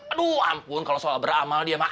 aduh ampun kalau soal beramal dia makan